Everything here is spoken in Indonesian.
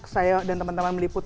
saya dan teman teman meliput